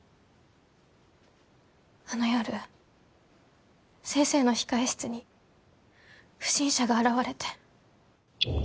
あの夜先生の控室に不審者が現れて。